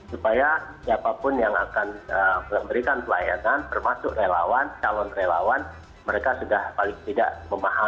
supaya siapapun yang akan memberikan pelayanan termasuk relawan calon relawan mereka sudah paling tidak memahami